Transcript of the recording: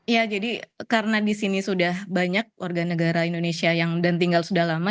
ya jadi karena di sini sudah banyak warga negara indonesia yang dan tinggal sudah lama